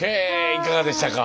いかがでしたか。